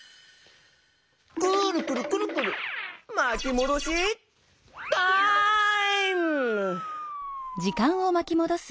くるくるくるくるまきもどしタイム！